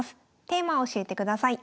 テーマを教えてください。